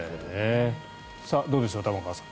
どうでしょう玉川さん。